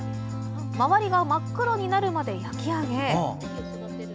周りが真っ黒になるまで焼き上げ。